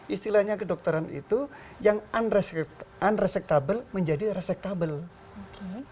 istilahnya kedokteran itu yang unresectable menjadi reseptable